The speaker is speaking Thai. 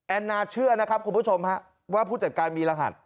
แอนาเชื่อว่าผู้จัดการมีรหัส